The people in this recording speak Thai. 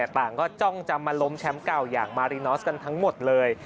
ต่างก็จ้องจะมาล้มแชมป์เก่าอย่างมารีนอสกันทั้งหมดเลย